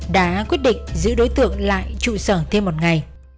đã quyết định giữ đối tượng lại trụ sở thêm một ngày